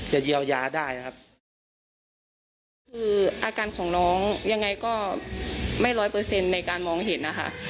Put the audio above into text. เยียวยาได้ครับคืออาการของน้องยังไงก็ไม่ร้อยเปอร์เซ็นต์ในการมองเห็นนะคะ